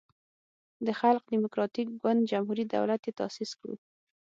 د خلق دیموکراتیک ګوند جمهوری دولت یی تاسیس کړو.